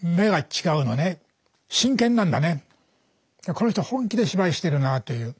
この人は本気で芝居してるなという。